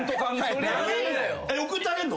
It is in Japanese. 送ってあげんの？